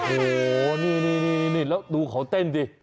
โอ้โหนี่แล้วดูเขาเต้นสิ